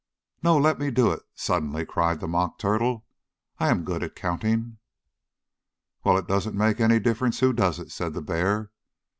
"No, let me do it!" suddenly cried the Mock Turtle. "I am good at counting." "Well, it doesn't make any difference who does it," said the bear.